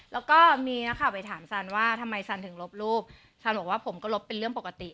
แล้วก็มีนักข่าวไปถามซันว่าทำไมซันถึงลบรูปซันบอกว่าผมก็ลบเป็นเรื่องปกติ